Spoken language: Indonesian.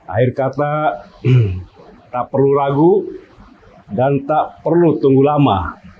akhir kata tak perlu ragu dan tak perlu tunggu lama